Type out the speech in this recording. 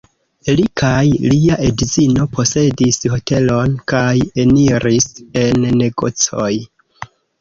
Li kaj lia edzino posedis hotelon kaj eniris en negocoj.